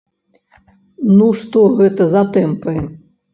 Ну што гэта за тэмпы?